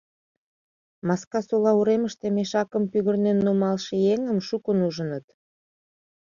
Маскасола уремыште мешакым пӱгырнен нумалше еҥым шукын ужыныт.